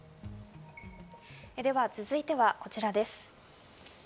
では続いてはこちらです。